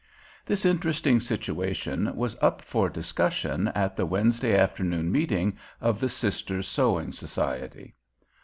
This interesting situation was up for discussion at the Wednesday afternoon meeting of the Sisters' Sewing Society.